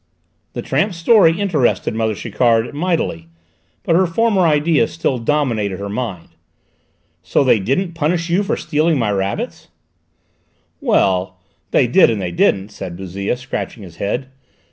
The tramp's story interested mother Chiquard mightily, but her former idea still dominated her mind. "So they didn't punish you for stealing my rabbit?" "Well, they did and they didn't," said Bouzille, scratching his head.